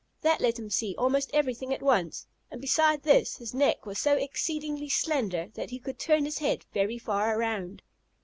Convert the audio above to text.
That let him see almost everything at once, and beside this his neck was so exceedingly slender that he could turn his head very far around.